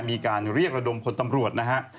มีการเรียกระดมคนตำรวจนะฮะ